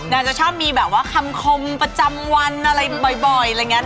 นางจะชอบมีแบบว่าคำคมประจำวันอะไรบ่อยอะไรอย่างนี้